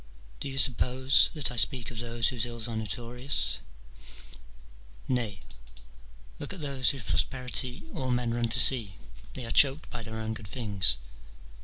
Do you suppose that I speak of those whose ills are notorious ? Nay, look at those whose prosperity all men run to see : they are choked by their own good things.